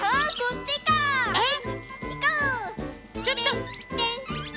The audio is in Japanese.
ちょっとまって！